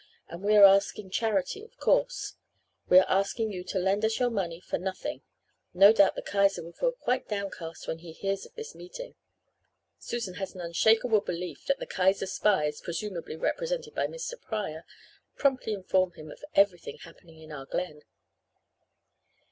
And we are asking charity, of course we are asking you to lend us your money for nothing! No doubt the Kaiser will feel quite downcast when he hears of this meeting!" "Susan has an unshaken belief that the Kaiser's spies presumably represented by Mr. Pryor promptly inform him of every happening in our Glen.